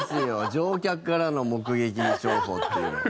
乗客からの目撃情報っていうのは。